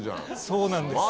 そうなんです。